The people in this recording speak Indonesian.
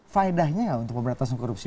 faedahnya untuk pemerintah seorang korupsi